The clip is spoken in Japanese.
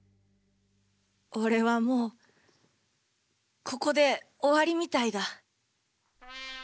俺はもうここで終わりみたいだ。